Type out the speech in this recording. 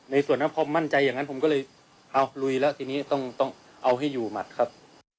ส่วนนั้นพอมั่นใจอย่างนั้นผมก็เลยเอาลุยแล้วทีนี้ต้องเอาให้อยู่หมัดครับ